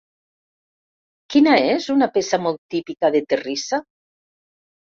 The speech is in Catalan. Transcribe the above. Quina és una peça molt típica de terrissa?